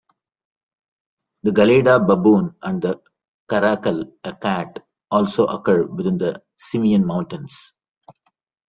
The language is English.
The gelada baboon and the caracal, a cat, also occur within the Simien Mountains.